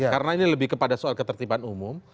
karena ini lebih kepada soal ketertiban umum